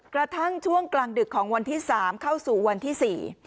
กระทั่งช่วงกลางดึกของวันที่สามเข้าสู่วันที่สี่